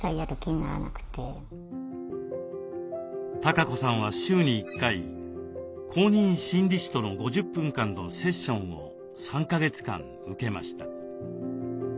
かこさんは週に１回公認心理師との５０分間のセッションを３か月間受けました。